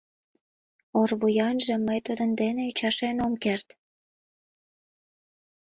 Орвуянже мый тудын дене ӱчашен ом керт.